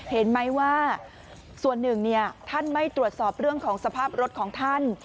เห็นไหมว่าส่วนหนึ่งท่านไม่ตรวจสอบเรื่องของสภาพรถของท่าน